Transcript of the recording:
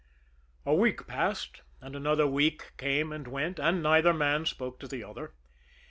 A week passed, and another week came and went, and neither man spoke to the other.